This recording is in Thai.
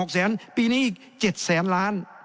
แสนปีนี้อีก๗แสนล้าน